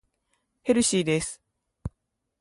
ヘルシーです。